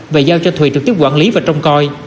và giao cho thùy trực tiếp quản lý và trông coi